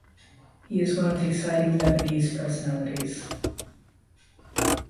He is one of the exciting Lebanese personalities.